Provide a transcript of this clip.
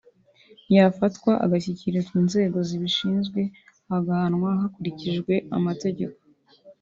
yafatwa agashyikirizwa inzego zibishinzwe agahanwa hakurikijwe amategeko